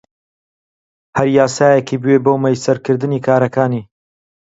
هەر یاسایەکی بوێ بۆ مەیسەرکردنی کارەکانی